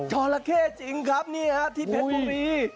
จอราเคจริงครับที่เพทพรุ่มนี้